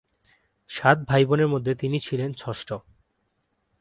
সাত ভাইবোনের মধ্যে তিনি ছিলেন ষষ্ঠ।